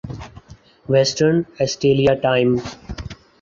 western Australia time